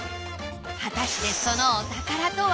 果たしてそのお宝とは？